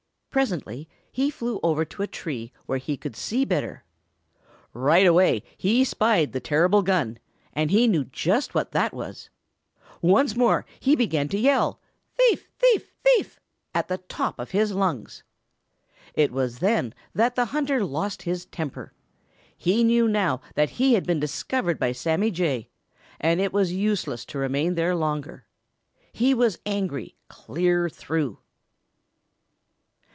Presently he flew over to a tree where he could see better. Right away he spied the terrible gun, and he knew just what that was. Once more he began to yell, "Thief! thief! thief!" at the top of his lungs. It was then that the hunter lost his temper. He knew that now he had been discovered by Sammy Jay, and it was useless to remain there longer. He was angry clear through.